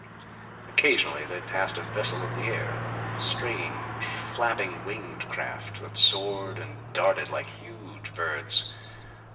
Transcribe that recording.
Occasionally they passed a vessel of the air strange flapping winged craft that soared and darted like huge birds.